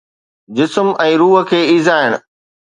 جسم ۽ روح کي ايذائڻ